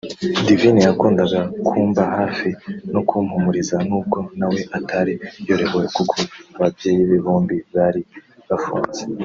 Divine yakundaga kumba hafi no kumpumuriza n’ubwo nawe atari yorohewe kuko ababyeyi be bombi bari bafunze